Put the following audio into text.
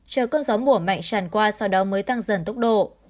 chờ cơn gió mùa mạnh tràn qua sau đó mới tăng dần tốc độ